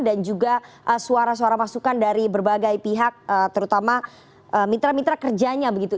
dan juga suara suara masukan dari berbagai pihak terutama mitra mitra kerjanya begitu